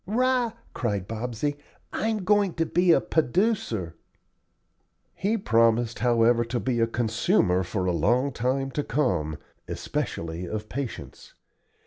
"'Rah!" cried Bobsey, "I'm goin' to be a p'oducer." He promised, however, to be a consumer for a long time to come, especially of patience.